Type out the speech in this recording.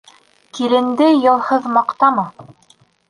Киленде йылһыҙ маҡтама.